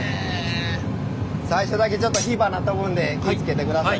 最初だけちょっと火花飛ぶんで気ぃ付けてください。